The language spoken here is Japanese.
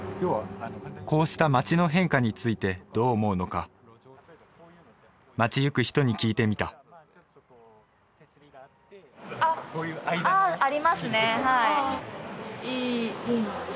こうした街の変化についてどう思うのか街行く人に聞いてみたあっあ